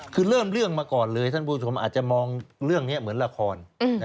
คือเริ่มเรื่องมาก่อนเลยท่านผู้ชมอาจจะมองเรื่องนี้เหมือนละคร